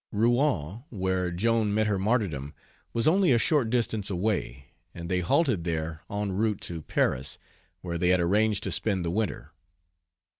Rouen, where Joan met her martyrdom, was only a short distance away, and they halted there en route to Paris, where they had arranged to spend the winter.